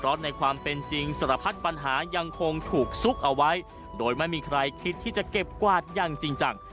เพราะในความเป็นจริงสารพัดปัญหายังคงถูกซุกเอาไว้โดยไม่มีใครคิดที่จะเก็บกวาดอย่างจริงจัง